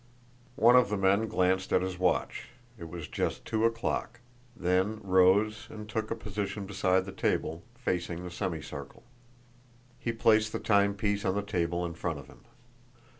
One of the men glanced at his watch it was just two o'clock then rose and took a position beside the table, facing the semicircle. He placed the timepiece on the table in front of him.